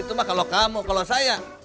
itu mah kalau kamu kalau saya